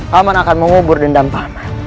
pak man akan mengubur dendam pak man